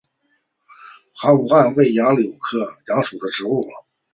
阿富汗杨为杨柳科杨属的植物。